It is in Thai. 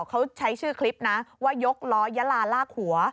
เขาใช้ชื่อคลิปนะว่ายกล้อยะลาลากหัว